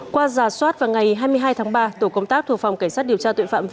qua giả soát vào ngày hai mươi hai tháng ba tổ công tác thuộc phòng cảnh sát điều tra tội phạm